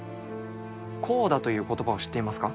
コーダという言葉を知っていますか？